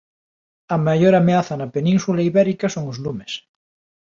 A maior ameaza na península ibérica son os lumes.